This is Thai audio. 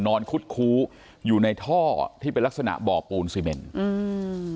คุดคู้อยู่ในท่อที่เป็นลักษณะบ่อปูนซีเมนอืม